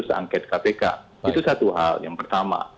soal angket kpk itu satu hal yang pertama